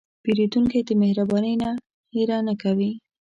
پیرودونکی د مهربانۍ نه هېره نه کوي.